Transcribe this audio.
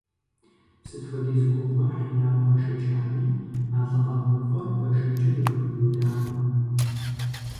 Сыт хуэдиз гугъуехь ирамыгъэшэчами, а лӏы къарууфӏэр, бэшэчыр яхуиудакъым.